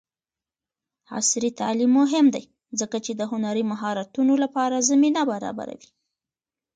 عصري تعلیم مهم دی ځکه چې د هنري مهارتونو لپاره زمینه برابروي.